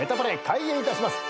開演いたします。